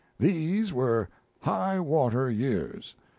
These were "high water" years.